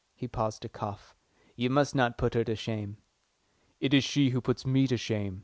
He paused to cough. "You must not put her to shame." "It's she who puts me to shame."